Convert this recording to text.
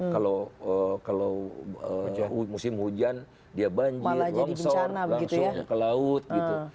kalau musim hujan dia banjir longsor langsung ke laut gitu